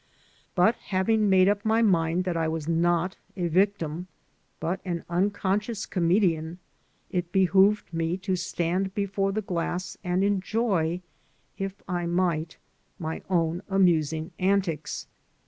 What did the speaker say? But having made up my mind that I was not a victim, but an unconscious comedian, it behooved me to stand before the glass and enjoy, if I might, my own amusing antics.